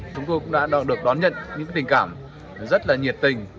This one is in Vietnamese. chúng tôi cũng đã được đón nhận những tình cảm rất là nhiệt tình